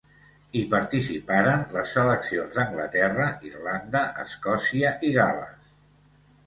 Hi participaren les seleccions d'Anglaterra, Irlanda, Escòcia i Gal·les.